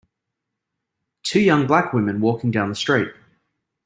Two young black women walking down the street.